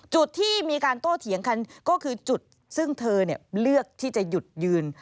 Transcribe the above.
จุดที่มีการโต้เถียงกันก็คือจุดซึ่งเธอเลือกที่จะหยุดยืน